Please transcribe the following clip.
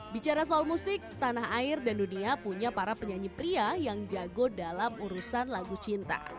bicara soal musik tanah air dan dunia punya para penyanyi pria yang jago dalam urusan lagu cinta